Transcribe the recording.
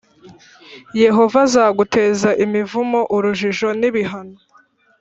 yehova azaguteza imivumo,+ urujijo+ n’ibihano+